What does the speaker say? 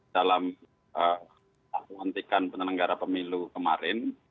dalam menghentikan penelenggara pemilu kemarin